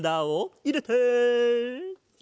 いれて。